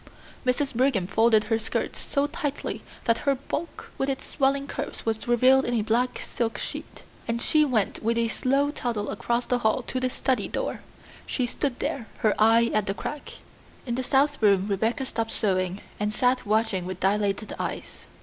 Mrs. Brigham folded her skirts so tightly that her bulk with its swelling curves was revealed in a black silk sheath, and she went with a slow toddle across the hall to the study door. She stood there, her eye at the crack. In the south room Rebecca stopped sewing and sat watching with dilated eyes.